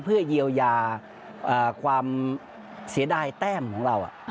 เพื่อเยียวยาความเสียดายแต้มของเรา